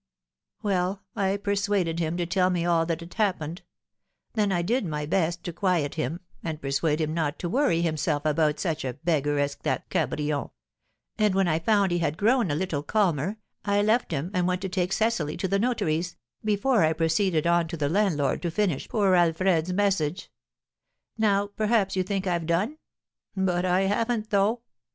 Well, I persuaded him to tell me all that had happened; then I did my best to quiet him, and persuade him not to worry himself about such a beggar as that Cabrion; and when I found he had grown a little calmer, I left him, and went to take Cecily to the notary's, before I proceeded on to the landlord to finish poor Alfred's message. Now, perhaps, you think I've done? But I haven't, though.